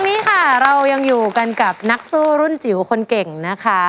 วันนี้ค่ะเรายังอยู่กันกับนักสู้รุ่นจิ๋วคนเก่งนะคะ